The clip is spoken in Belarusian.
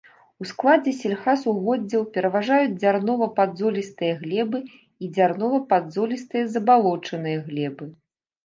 У складзе сельгасугоддзяў пераважаюць дзярнова-падзолістыя глебы і дзярнова-падзолістыя забалочаныя глебы.